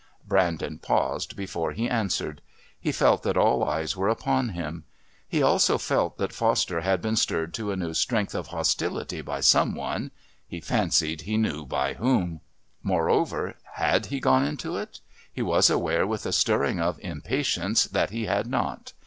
Brandon paused before he answered. He felt that all eyes were upon him. He also felt that Foster had been stirred to a new strength of hostility by some one he fancied he knew by whom. Moreover, had he gone into it? He was aware with a stirring of impatience that he had not.